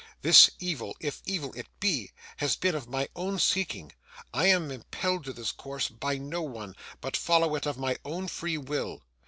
'This evil, if evil it be, has been of my own seeking. I am impelled to this course by no one, but follow it of my own free will.